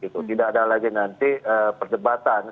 tidak ada lagi nanti perdebatan